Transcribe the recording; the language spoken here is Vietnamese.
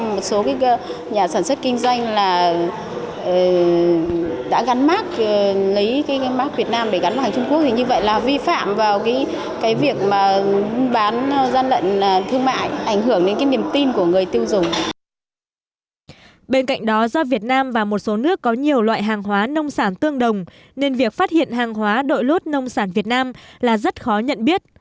bên cạnh đó do việt nam và một số nước có nhiều loại hàng hóa nông sản tương đồng nên việc phát hiện hàng hóa đội lốt nông sản việt nam là rất khó nhận biết